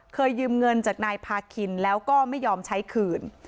ยืมเงินจากนายพาคินแล้วก็ไม่ยอมใช้คืน